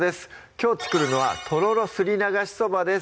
きょう作るのは「とろろすり流しそば」です